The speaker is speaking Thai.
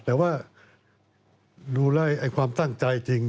แต่ว่าดูแล้วความตั้งใจจริง